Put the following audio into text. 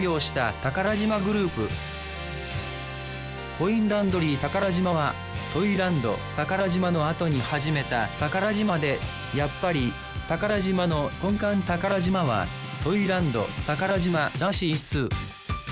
コインランドリー宝島はトイランド宝島の後に始めた宝島でやっぱり宝島の根幹宝島はトイランド宝島らしいっす